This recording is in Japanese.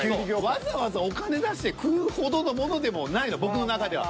わざわざお金出して食うほどのものでもないの僕の中では。